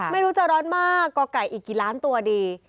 ไม่รู้จะร้อนมากก่อไก่อีกกี่ล้านตัวดี